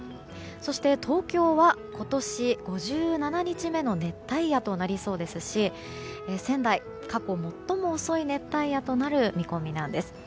そして、東京は今年５７日目の熱帯夜となりそうですし仙台は過去最も遅い熱帯夜となる見込みです。